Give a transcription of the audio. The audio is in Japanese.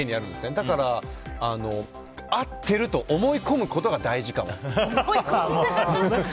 だから合ってると思い込むことが大事かも。